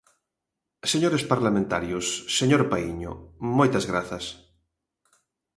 Señores parlamentarios, señor Paíño, moitas grazas.